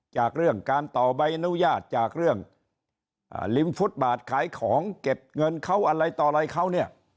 จากเรื่องการต่อใบอนุญาตจากเรื่องริมฟุตบาทขายของเก็บเงินเขาอะไรต่ออะไรเขาเนี่ย